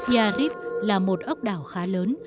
yarib là một ốc đảo khá lớn